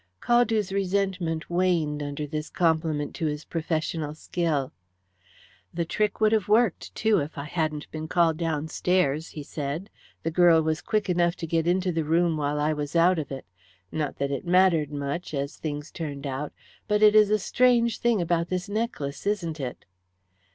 Caldew's resentment waned under this compliment to his professional skill. "The trick would have worked, too, if I hadn't been called downstairs," he said. "The girl was quick enough to get into the room while I was out of it. Not that it mattered much, as things turned out, but it is a strange thing about this necklace, isn't it?"